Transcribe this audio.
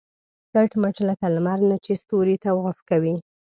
کټ مټ لکه لمر نه چې ستوري طواف کوي.